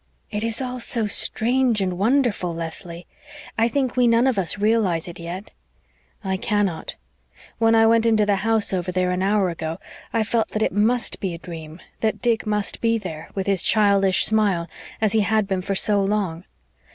"It is all so strange and wonderful, Leslie. I think we none of us realise it yet." "I cannot. When I went into the house over there an hour ago, I felt that it MUST be a dream that Dick must be there, with his childish smile, as he had been for so long.